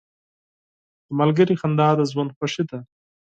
• د ملګري خندا د ژوند خوښي ده.